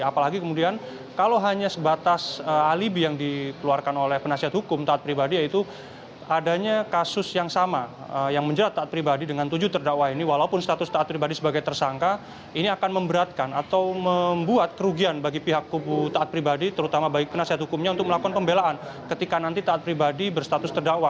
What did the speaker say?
apalagi kemudian kalau hanya sebatas alibi yang dikeluarkan oleh penasihat hukum taat pribadi yaitu adanya kasus yang sama yang menjerat taat pribadi dengan tujuh terdakwa ini walaupun status taat pribadi sebagai tersangka ini akan memberatkan atau membuat kerugian bagi pihak taat pribadi terutama bagi penasihat hukumnya untuk melakukan pembelaan ketika nanti taat pribadi berstatus terdakwa